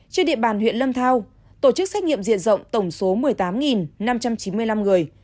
trên địa bàn huyện lâm thao tổ chức xét nghiệm diện rộng tổng số một mươi tám năm trăm chín mươi năm người